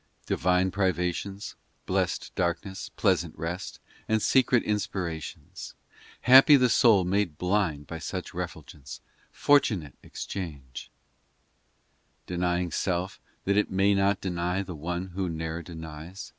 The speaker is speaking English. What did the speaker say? ii Divine privations, Blest darkness, pleasant rest, And secret inspirations ! Happy the soul made blind By such refulgence fortunate exchange ! 3<02 POEMS in Denying self That it may not deny the One Who ne er denies.